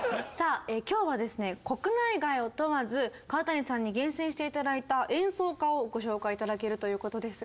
今日はですね国内外を問わず川谷さんに厳選して頂いた演奏家をご紹介頂けるということですが。